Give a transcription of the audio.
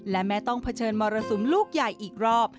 และแม่ต้องเผชิญมรสุมลูกใหญ่อีกรอบ